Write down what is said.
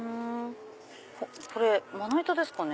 これまな板ですかね？